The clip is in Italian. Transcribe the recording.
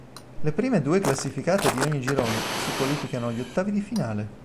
Le prime due classificate di ogni girone si qualificano agli Ottavi di finale.